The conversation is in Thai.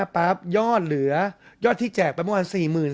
๙๕๐๐๐ปั๊บยอดที่แจกไปเมื่อวาน๔๓๘๐๐